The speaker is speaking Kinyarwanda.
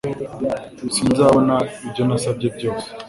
Sinzabona ibyo nasabye byose